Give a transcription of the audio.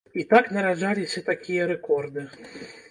І так нараджаліся такія рэкорды.